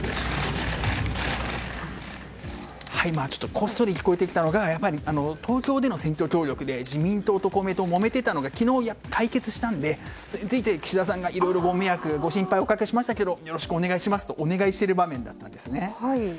こっそり聞こえてきたのが東京での選挙協力で自民党と公明党もめていたのが昨日、解決したのでそれについて岸田さんがいろいろご心配やご迷惑をおかけしましたがよろしくお願いしますとお願いしている場面だったんです。